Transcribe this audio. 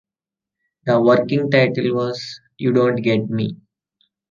The working title was "You Don't Get Me".